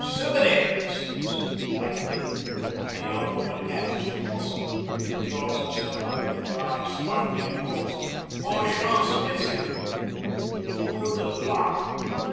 'Souvenir!' he says, lightly, and the young woman catches the blossom and draws herself up with her eyes sparkling and calls, 'Bonne chance, Messieurs. Goo o o d lock.'